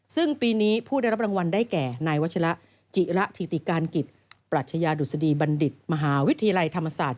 ซึ่งปีนี้ผู้ได้รับรางวัลได้แก่นายวัชละจิระธิติการกิจปรัชญาดุษฎีบัณฑิตมหาวิทยาลัยธรรมศาสตร์